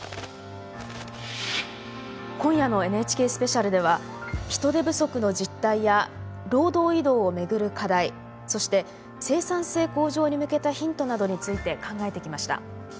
今夜の「ＮＨＫスペシャル」では人手不足の実態や労働移動をめぐる課題そして生産性向上に向けたヒントなどについて考えてきました。